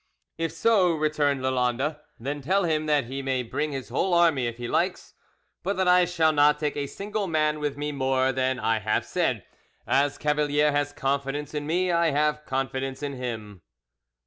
"If so," returned Lalande, "then tell him that he may bring his whole army if he likes, but that I shall not take a single man with me more than I have said; as Cavalier has confidence in me, I have confidence in him."